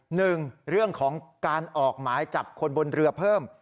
หนึ่งเรื่องของการออกหมายจับคนบนเรือเพิ่ม